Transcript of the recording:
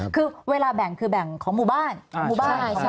คือเวลาแบ่งคือแบ่งของหมู่บ้าน